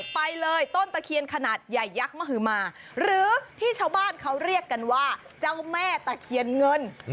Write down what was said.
ไปเลยต้นตะเคียนขนาดใหญ่ยักษ์มหมาหรือที่ชาวบ้านเขาเรียกกันว่าเจ้าแม่ตะเคียนเงิน